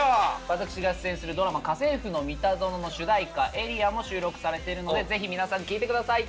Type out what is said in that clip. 私が出演するドラマ『家政夫のミタゾノ』の主題歌『ａｒｅａ』も収録されてるのでぜひ皆さん聴いてください。